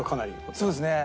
そうですね。